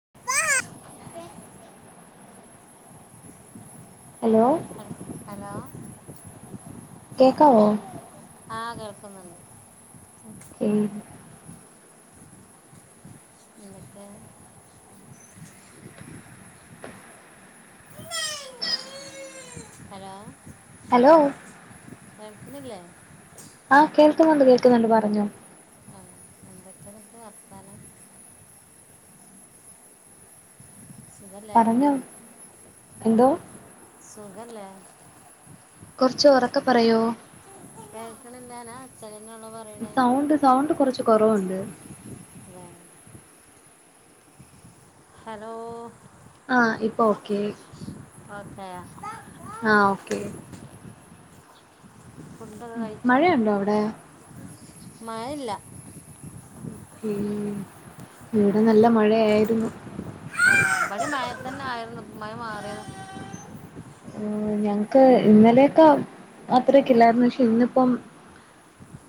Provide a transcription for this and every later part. [unintelligible] Hello hello കേക്കാവോ ആ കേൾക്കുന്നുണ്ട് [unintelligible] [unintelligible] [unintelligible] ഹലോ ഹലോ കേൾക്ക്ണ്ല്ല്യേ ആഹ് കേൾക്കുന്നുണ്ട് കേൾക്കുന്നുണ്ട് പറഞ്ഞോ എന്തക്കെണ്ട്പ്പം വർത്താനം സുഖല്ലേ പറഞ്ഞോ എന്തോ സുഖല്ലേ കൊർച് ഉറൊക്കെ പറയോ? [unintelligible] പറയണേ സൗണ്ട് സൗണ്ട് കൊർച്ച് കൊറവുണ്ട് അല്ലേ ഹലോ ആ ഇപ്പ ഓക്കെ ഒക്കെ ആയോ ആ ഓക്കെ ഫുഡൊക്കെ മഴയുണ്ടോ അവിടെ മഴല്ല ഓക്കേ ഇവിടെ നല്ല മഴയായിരുന്നു ഇബടിം മയ തന്നായിരുന്നു ഇപ്പൊ മയ മാറിയതാ ഉം ഞങ്ങക്ക് ഇന്നലെയൊക്കെ അത്രക്കില്ലായിരുന്നു പക്ഷെ ഇന്നിപ്പം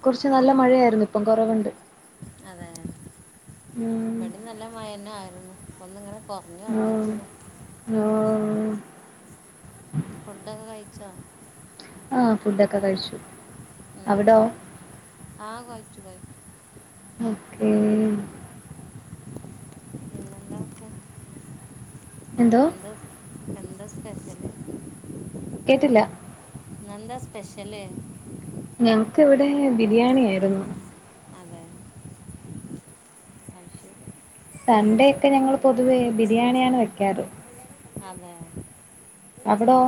കുറച്ച് നല്ല മഴയായിരുന്നു ഇപ്പം കൊറവുണ്ട് അതെ ഉം ഇബടിം നല്ല മഴന്ന ആയിരുന്നു ഒന്ന്ങ്ങനെ ആ ആ ഫുഡ്ഡൊക്കെ കഴി ച്ചോ ആ ഫുഡൊക്കെ കഴിച്ചു ഉം അവിടോ ആ കഴി ച്ചു കഴിച്ചു ഓക്കേ എന്തോ എന്ത സ്പെഷല് കേട്ടില്ല ഇന്നെന്താ സ്പെഷ്യല് ഞങ്ങക്ക് ഇവടെ ബിരിയാണി ആയിരുന്നു അതെ അത് ശരി സൺഡേ ഒക്കെ ഞങ്ങള് പൊതുവേ ബിരിയാണിയാണ് വെക്കാറ് അതെ അവിടോ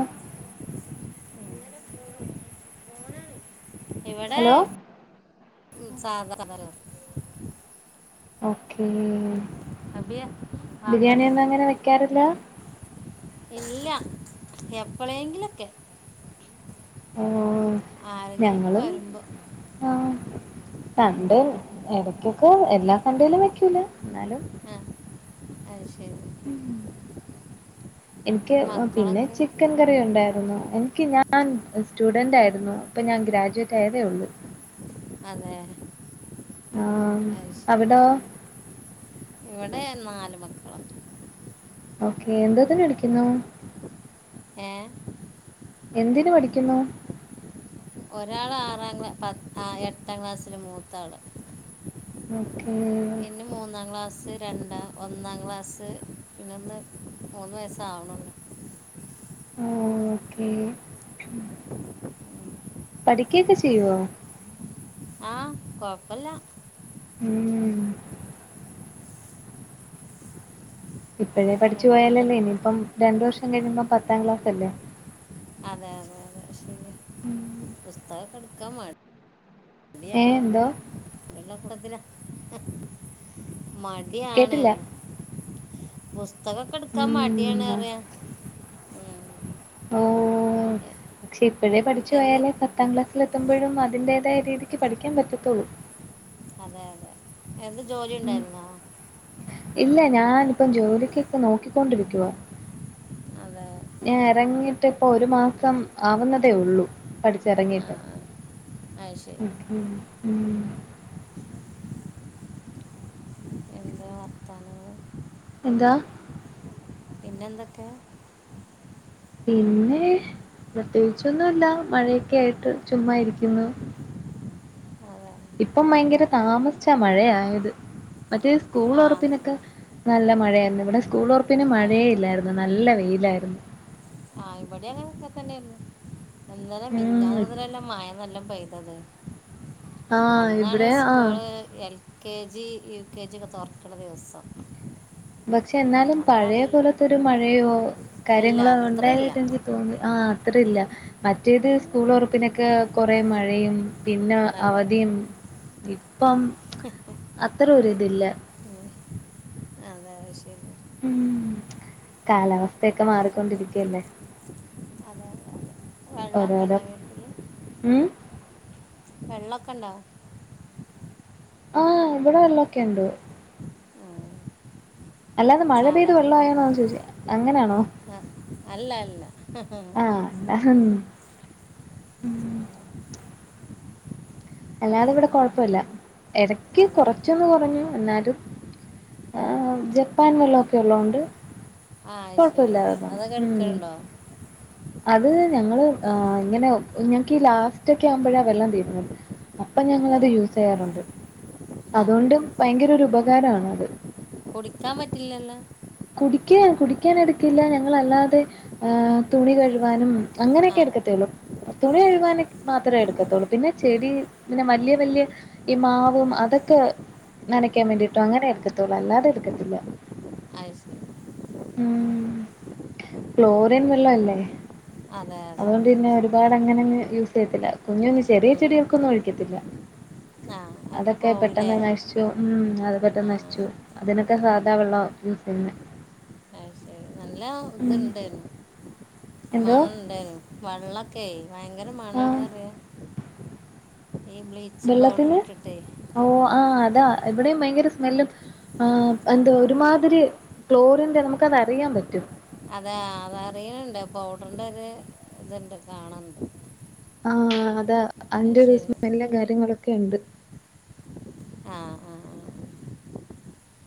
ഇവിടെ ഹലോ സാധാ [unintelligible] ഓക്കേ അബിയ സാധനം ബിരിയാണിയൊന്നും അങ്ങനെ വെക്കാറില്ലാ ഇല്ലാ എപ്പളേങ്കിലൊക്കെ ഓ ആരെങ്കിലൊക്കെ വരുമ്പോ സൺഡെ എടക്കൊക്കെ എല്ലാ സണ്ടയിലും വെക്കൂല എന്നാലും ആ അത് ശരി എനിക്ക് എൻ്റെ പിന്നെ മക്കളൊക്കെ ചിക്കൻ കറി ഉണ്ടായിരുന്നു എനിക്ക് ഞാൻ സ്റ്റുഡന്റായിരുന്നു അപ്പൊ ഞാൻ ഗ്രാജുവേറ്റ് ആയതേ ഒള്ള് ത [unintelligible] ആ അവിടോ ഇവിടെ നാല് മക്കള ഓക്കെ എന്തതിന് പടിക്കുന്നു എ എന്തിന് പഠിക്കുന്നു ഒരാള് ആറാം ക്ലാ പത്തഎട്ടാം ക്ലാസില് മൂത്ത ആള് ഉം ഇന്നു മൂന്നാം ക്ലാസ് രണ്ടാം ഒന്നാം ക്ലാസ്സ് പിന്നൊന്ന് മൂന്ന് വയസ്സ് ആവണുള്ളൂ ആ ഓക്കെ പഠിക്കയൊക്കെ ചെയ്യുവോ ആ കൊഴപ്പല്ല ഉം ഇപ്പഴേ പഠി ചുവയലേ എന്തെല്ലാം ഇനി ഇപ്പം രണ്ടു വർഷം കഴിയുമ്പോ പത്താം ക്ലാസ് അല്ലേ അതെ അതെ അതെ പുസ്തകക്കെ എടുക്കാൻ മടി എ എന്തോ ലക്കത്തിലര [unintelligible] മടിയാണ് കേട്ടില്ല. പുസ് പുസ്‌തകൊക്കെ എടുക്കാൻ ഉം മടിയാണ്റിയ ഓ എ- പക്ഷെ ഇപ്പഴേ പഠിച്ചു എന്ത് പോയാലേ പത്താം ക്ലാസ് എത്തുമ്പോഴും അതിന്റേതായ രീതിക്ക് പഠിക്കാൻ പറ്റത്തുള്ളൂ അതെ അതെ എന്ത് ജോലി ഉം ഉണ്ടായിരുന്നോ ഇല്ല ഞാാനിപ്പം ജോലിക്കൊക്കെ നോക്കിക്കൊണ്ടിരിക്കുവാ അതെ ഞാൻ ഇറങ്ങിട്ട് ഇപ്പൊ ഒരു മാസം ആവുന്നതേ ഉള്ളൂ പഠിച്ച് ആ ഇറങ്ങിട്ട് ആ. അത് ശരി എന്താ വർത്താനങ്ങൾ എന്താ പിന്നെന്തൊക്കെ പിന്നെ പ്രത്യേകിച്ചൊന്നുമില്ല മഴയൊക്കെ ആയിട്ട് ചുമ്മാ ഇരിക്കുന്നു അതാണ് ഇപ്പം ഭയങ്കര താമസിച്ചാ മഴയായത് മറ്റേ സ്കൂൾ ആ തുറപ്പിനൊക്കെ നല്ല മഴയായിരുന്നു ഇവിടെ സ്കൂൾ ഉറപ്പിന് ആ മഴയെ ഇല്ലായിരുന്നു നല്ല വെയിലായിരുന്നു ആഹ് ഇവിടെ അങ്ങനെ ഒക്കെ തന്നയായിരുന്നു ഇന്നലെ ഉം മെനിഞ്ഞാന് മുതലല്ലേ മഴ നല്ലോണം പെയ്തത് ആ ഇവിടെ ആഹ് കെജി, യുകെജി, ഒക്കെ തോർക്ക്ണ ദിവസം പക്ഷെ എന്നാലും പഴയ അന്നല്ല പോലോതോരു മഴയോ ഇല്ല കാര്യങ്ങള് അത്രയില്ല ഉണ്ടായിട്ട് എനിക്ക് [unintelligible] ആ അത്ര ഇല്ല മറ്റേത് ഉം, സ്കൂള് ഒറപ്പിനൊക്കെ കൊറെ മഴയും പിന്നെ അതെ അവധിം ഇപ്പം അത്ര ഒ ഇല്ല അഹ് ശരി ഉം കാലാവസ്ഥക്കെ മാറിക്കൊണ്ടിരിക്കല്ലേ അതെ അതെ അതെ അതെ വെള്ളമൊക്കെ അതെ ഉണ്ടോ ഉം വെള്ളൊക്കെ ഇണ്ടോ? ആ ഇവിടെ വെള്ളൊക്കെ ഇണ്ട് അല്ലാതെ മഴ സാധാ പെയ്ത് വെള്ള കിണ ആയോന്ന ചോയ്ചെ അങ്ങനെണോ അല്ല അല്ല ആ അല്ല ഉം അല്ലാതെ ഇവിടെ കൊഴപ്പല്ല എടക്ക് അതെ കൊറച്ചൊന്ന് കുറഞ്ഞു എന്നാലും ഹേ ആ ജപ്പാൻ വെള്ളക്കെ ഉള്ളൊണ്ട് ആ ശെരി അതൊക്കെട്ക്കേണ്ടോ അത് ഞങ്ങള് ആ ഇങ്ങനെ ഞങ്ങക്കീ ലാസ്റ്റൊക്കെ ആവുമ്പഴാ വെള്ളം തീരുന്നത് അപ്പൊ അതെ ഞങ്ങളത് യൂസെയ്യാറുണ്ട് ആ അതോണ്ടും ഭയങ്കരൊരു ഉപകാരണത്. കുടിക്കാൻ പറ്റില്ലല്ല കുടിക്കാൻ കുടിക്കാനെട്ക്കില്ല ഞങ്ങളല്ലാതെ ഏ തുണി കഴ്കാനും ആ അങ്ങനെക്കെ എടുക്കത്തൊള്ളു തുണി ആ കഴുകാന് ശരി മാത്രേ എടുക്കത്തൊള്ളൂ പിന്നെ ചെടി പിന്നെ വെല്ല്യ വെല്ല്യ ഈ മാവും അതൊക്കെ നനക്കാൻ വേണ്ടിട്ടും അങ്ങനെ എടുക്കത്തൊള്ളു അല്ലാതെ എടുക്കത്തില്ല ആ ശരി ഉം ക്ലോറിൻ വെള്ളല്ലേ അതെ യതെ പാട് അങ്ങനങ്ങ് യൂസെയ്യത്തില്ല കുഞ്ഞു കുഞ്ഞു ചെറിയ ഉം. ചെടികൾക്കൊന്നും ഒഴിക്കത്തില്ല ആ അതൊക്കെ പോവില്ലേ പെട്ടെന്ന് നശിച്ചു ഉം അത് പറ്റേ ആ നശ് ച്ച് പോകും അതിനൊക്കെ ഉം. സാധാ വെള്ളാ യൂ പിന്നെ ത്‌ണ്ടെനു എന്തോ മണണ്ടേനു വള്ളക്കെ ഭയ ങ്കര ആ മണാണ റ്യാ വെള്ളത്തിന് ഇട്ടിട്ടേ ഓ ആ താ ഇവടിം ഭയങ്കര സ്മെല്ലും ആ എന്ത് അത് ഒര്മാതിരി ക്ലോറിൻ്റെ നമക്കത് അറിയാൻ പറ്റും അതെ അതറിയിണ് ണ്ട് പൗഡർന്റൊരു ഇതുണ്ട് കാണാണ്ട് ആഹ് അതാ അന്റെ ഒരുസം എല്ലാ കാര്യങ്ങളും ഒക്കെണ്ട് ആ ആ ആ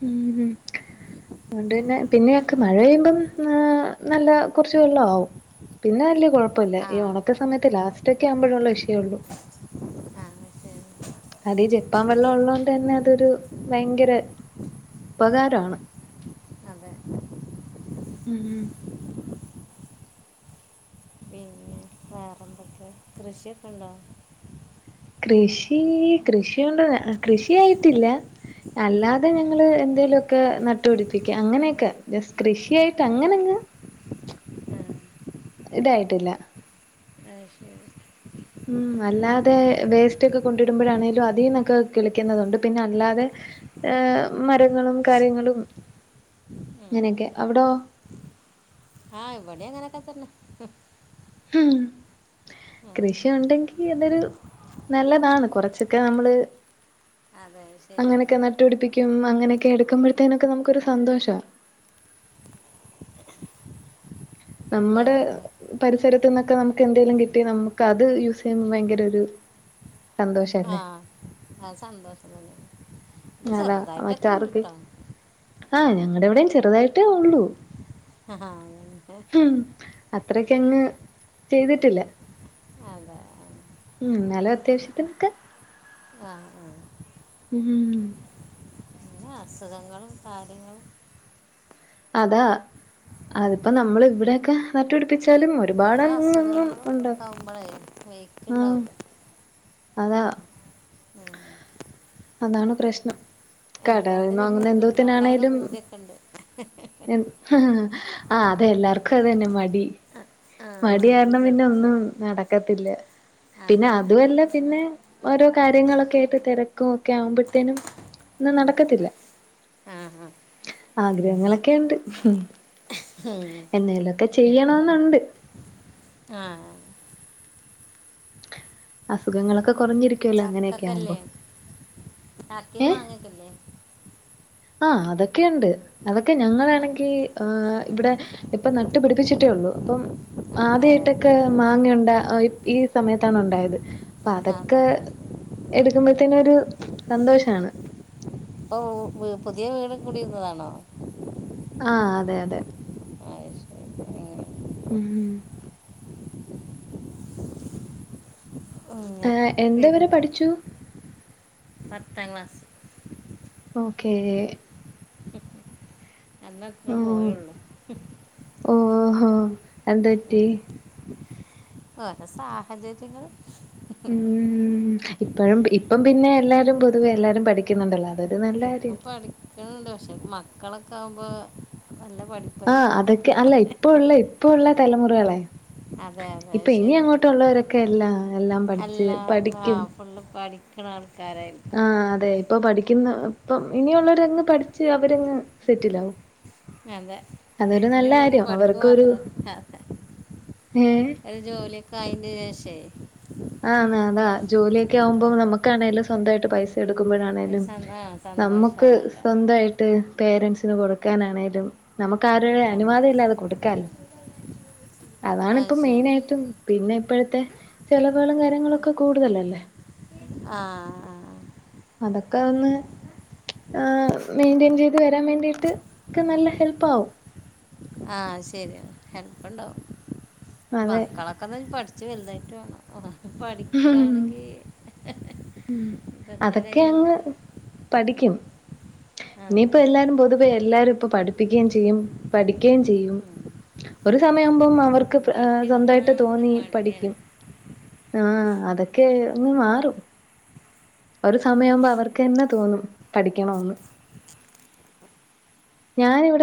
ഉംഹ് അതൊണ്ട്ന്നെ പിന്നെയെക്കെ ഉം. മഴയ്യുമ്പം ആഹ് നല്ല കൊർച്ച് വെള്ളാവും. പിന്നെ വല്യ കൊഴപ്പല്ല ആ ഈ ഒണക്ക സമയത്ത് ലാസ്റ്റൊക്കെ ആവുമ്പളുള്ള ഇഷ്യേ ഒള്ളൂ ആ ശരി അതീ ജെപ്പാൻ ഇവിടെ വെള്ളം ഞങ്ങൾക്ക് ഉള്ളോണ്ടന്നെ അതൊരു ഭയ്ങ്കര ഉപകാരാണ് അതെ മ്ഹ് മ്ഹ് കൃഷിയൊക്കെണ്ടോ? കൃഷി കൃഷിയൊണ്ട്. കൃഷിയായിട്ടില്ല. അല്ലാതെ ആ ഞങ്ങള് എന്തേലും ഒക്കെ നട്ടുപിടിപ്പിക്കും. അങ്ങനെയൊക്കെ ജസ്റ്റ് കൃഷിയായിട്ട് അങ്ങനെയങ്ങ് ആ, ഇതായിട്ടില്ല. ആ ശരി മ്ഹും അല്ലാതെ വേസ്റ്റ് ഒക്കെ കൊണ്ടിടുമ്പോഴാണേലും അതീന്നൊക്കെ കിളിക്കുന്നതൊണ്ട്. പിന്നെ അല്ലാതെ ഏഹ് മരങ്ങളും കാര്യങ്ങളും ഉം. അങ്ങനെയൊക്കെ. അവിടോ? ആ ഇവിടേം അങ്ങനൊക്കെത്തന്നെ. മ്ഹും കൃഷി ഒണ്ടെങ്കി അതൊരു നല്ലതാണ്. കൊറച്ചൊക്കെ നമ്മള് അതെ ശരിയാണ് അങ്ങനൊക്കെ നട്ടുപിടിപ്പി ക്കും. അങ്ങനെയൊക്ക എടുക്കുമ്പോഴത്തേനൊക്കെ നമുക്കൊരു സന്തോഷാ. നമ്മടെ വേറെന്തൊക്കെ പരിസ് സരത്ത്ന്നൊക്കെ നമുക്ക് എന്തേലും കിട്ടി നമുക്ക് അത് യൂസ് ചെയ്യുമ്പോ ഭയങ്കര ഒരു സന്തോഷല്ലേ ആഹ് ആഹ് സന്തോഷം തന്നെ. ഇത് അതാ ചെറുതായിട്ടൊക്കെ ഉണ്ട് മറ്റാർക്ക് കേട്ടോ ആ ഞ ങ്ങടെവിടേം ചെറുതായിട്ടേ ഒള്ളൂ ആഹ്ഹാ മ്ഹും അത്രക്ക് കങ്ങ് ചെയ്തിട്ടില്ല. അതെ ഉം എന്നാലും അത്യാവശ്യത്തിനൊക്കെ ആഹ് ആഹ് മ്ഹും അസുഖങ്ങളും കാര്യങ്ങളും അതാ അത്പ്പോ നമ്മള് ഇവിടൊക്കെ നട്ട് പിടിപ്പിച്ചാലും മ ഓരോ അസുഖങ്ങള് ഇണ്ടാകുമ്പളെ ആഹ് വെയ്റ്റ്ണ്ടാവ്ല്ല അതാ അതാണ് പ്രശ്നം കടകളിന്ന് എല്ലാത്ലും വാങ്ങുന്ന ഇണ്ടാക്കാനൊക്കെ എന്തോത്തിനാണേലും പൂത്യൊക്കെണ്ട് ആഹ് അതെ എല്ലാർക്കും അതന്നെ മടി ആ മടി മതി കാരണം സ- പിന്നെ ഒന്നും നട ക്കത്തില്ല പിന്നെ അതെ അതുവല്ല പിന്നെ ഓരോ കാര്യങ്ങളൊക്കെ ആയ്ട്ട് തെരക്കും ഒക്കെ ആവുമ്പത്തേനും ഒന്നും അതെ നടക്കത്തില്ല ആ ആ. ആഗ്രഹങ്ങളൊക്കെ ഇണ്ട് ഹ് ഒക്കെ ചെയ്യണംന്ന്ണ്ട് ആ ആഹ് അസുഖങ്ങളൊക്കെ കുറഞ്ഞിരിക്കുവല്ലോ അങ്ങനെയൊക്കെ ചക്കക്കല്ലേ ആവുമ്പോ ആഹ് അതൊക്കെയുണ്ട് അതൊക്കെ ആ ഞങ്ങളാണെങ്കി ആഹ് ഇവിടെ ഇപ്പൊ നട്ടുപിടിപ്പിച്ചിട്ടേ ഉള്ളു അപ്പം അതെ ആദ്യമായിട്ടൊക്കെ മാങ്ങയൊണ്ടാ ഈ സമയത്താണ് ഉണ്ടായത് അപ്പൊ അതെ അതൊക്കെ അത് ശരി. എടുക്കുമ്പോഴത്തേന് ഒരു സന്തോഷമാണ് ഓ വ് പുതിയ വീട് കുടിയിരുന്നതാണോ? ആഹ് അതെ അതെ ശരി ഉം. ഉം ഉം ഉം, ഏ ഞാൻ വരും എന്തവരെ പഠിച്ചു പത്താം ക്ലാസ്സ് ഓക്കേ അന്നത്ര പോയുള്ളു ഓ ഓഹോ എന്ത പറ്റി ഓരോ സാഹചര്യങ്ങള് ഉം ഉം ഇപ്പഴും ഇപ്പം പിന്നെ എല്ലാരും പൊതുവേ എല്ലാരും പഠിക്കുന്നുണ്ടല്ലോ അതൊരു നല്ല ഇപ്പൊ കാര്യം. പഠിക്കണ് ണ്ട് പക്ഷെ ക്കളക്കൊ ആവുമ്പോ ആ അതൊക്കെ അല്ല ഇപ്പൊ ഉള്ള ഇപ് ഇപ്പ ഉള്ള തലമുറകളെ അതെ അതെ ഇപ്പൊ ഇനി ശരിയാണ് അങ്ങോട്ടുള്ളവരൊക്കെ എല്ലാ എല്ലാം പഠിച്ച് പഠിക്കും അതാണ് ആഹ് അതെ ഇപ്പൊ പഠിക്കുന്ന ഇപ്പ ഇനിയുള്ളവരങ്ങ് പഠിച്ച് അവരങ്ങ് സെറ്റിലാവും അതെ അതൊരു നല്ല എനിയുള്ളക്കെ കാര്യം പഠിപ്പ് അവർക്കൊരു മാത്രം അതെ ഏഹ് ഒരു ജോലിയൊക്കെ അയിൻ്റെ ശേഷം [unintelligible] ആഹ് ആണ് അതാ ജോലിയൊക്കെ ആവുമ്പോ നമുക്കാണെങ്കല്ലാം സ്വന്തമായിട്ട് പൈസ എടുക്ക് ഒരു ക്ക്മ്പഴാണേലും സന്ത- ആ നമ്മക്ക് സന്തോഷമാണല്ലോ സ്വന്തമായിട്ട് പേരൻ്റ്സ് ന് കൊടുക്കാനാണെലും നമുക്ക് ആരുടേം അതെ അനുവാദം ഇല്ലാതെ കൊടുക്കാലോ അതെ അത് അതാണിപ്പം ശരി മെയിനായിട്ടും പിന്നെ ഇപ് ഇപ്പഴ്ത്തെ ചെലവുകളും കാര്യങ്ങളൊക്കെ കൂടുതലല്ലേ ആഹ് ആഹ് ആഹ് അതൊക്കെ ഒന്ന് ആ മെയിന്റെയിൻ ചെയ്ത് വരാൻ വേണ്ടീട്ട് ഒക്കെ നല്ല ഹെൽപ്പാകും ആഹ് ശരിയാ ഹെല്പ്പുണ്ടാവും അതെ മക്കളൊക്കെ അതാ ഇനി പഠിച്ച് പടിച്ച് വലുതായിട്ട് വേണം അതാ പഠിക്കാണെങ്കി അതൊക്കെ അങ്ങ് പഠിക്കും ഇനിയിപ്പൊ അതെ എല്ലാരും പൊതുവേ എല്ലാരും പഠപ്പിക്കേം ചെയ്യും പഠിക്കേം ചെയ്യും ഉം. ഒരു സമയാവുമ്പം അവർ ക്ക് ഏ മടി സ്വന്തായിട്ട് ഒന്നാമത്തെ തോന്നി മടിയാണ് പഠിക്കും ആ അതൊക്കെ ഒന്ന് മാറും ഒരു സമയാവുമ്പം അവർക്കെന്നെ തോന്നും പഠിക്കണോംന്ന് ഞാനിവിടെ